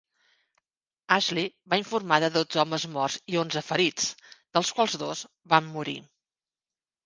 Ashley va informar de dotze homes morts i onze ferits, dels quals dos van morir.